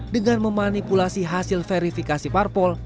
dengan memanipulasi hasil verifikasi parpol